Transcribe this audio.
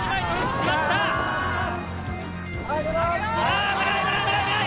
あ危ない。